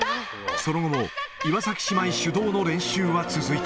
その後も、岩崎姉妹主導の練習は続いた。